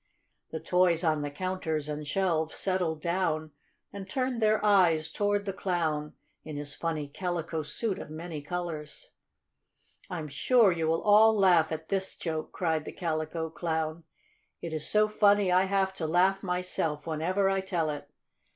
The toys on the counters and shelves settled down and turned their eyes toward the Clown in his funny calico suit of many colors. "I'm sure you will all laugh at this joke!" cried the Calico Clown. "It is so funny I have to laugh myself whenever I tell it.